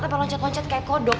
sampai loncat loncat kayak kodok